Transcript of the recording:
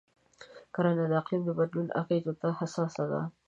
کرنه د اقلیم د بدلون اغېزو ته حساسه ده.